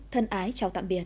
thân ái chào tạm biệt